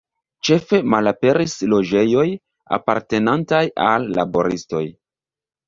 Ĉefe malaperis loĝejoj apartenantaj al laboristoj.